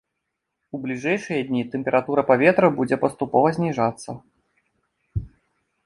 У бліжэйшыя дні тэмпература паветра будзе паступова зніжацца.